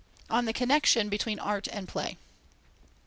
on the connexion between art and play.